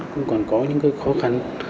cũng còn có những cái khó khăn